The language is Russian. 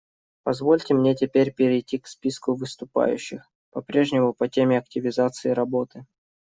Позвольте мне теперь перейти к списку выступающих — по-прежнему по теме активизации работы.